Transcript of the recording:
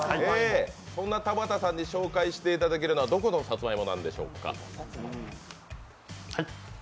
そんな田畑さんに紹介していただけるのはどこのさつまいもなんでしょうか。